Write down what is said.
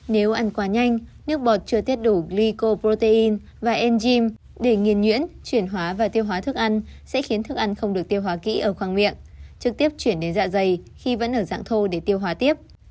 nếu ăn quá nhanh nước bọt chưa tiết đủ lyco protein và enzym để nghiền nhuyễn chuyển hóa và tiêu hóa thức ăn sẽ khiến thức ăn không được tiêu hóa kỹ ở khoang miệng trực tiếp chuyển đến dạ dày khi vẫn ở dạng thô để tiêu hóa tiếp